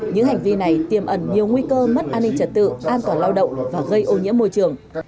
những hành vi này tiềm ẩn nhiều nguy cơ mất an ninh trật tự an toàn lao động và gây ô nhiễm môi trường